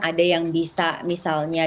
ada yang bisa misalnya